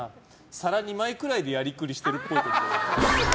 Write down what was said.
皿２枚くらいでやりくりしてるっぽい。